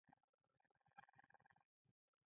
دوه لمرونه په اسمان کې وو.